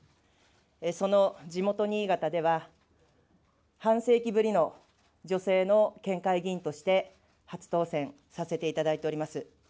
その地元、新潟では、半世紀ぶりの女性の県会議員として初当選させていただいております。